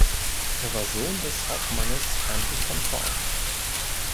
Er war Sohn des Hauptmannes Heinrich von Korff.